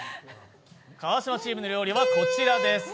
川島チームの料理はこちらです。